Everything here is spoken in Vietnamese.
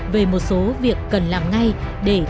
về một số việc cần làm ngay để tham gia